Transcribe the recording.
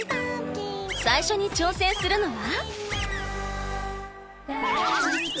最初に挑戦するのは。